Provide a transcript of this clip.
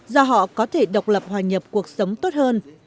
do họ có thể độc lập hòa nhập cuộc sống tốt hơn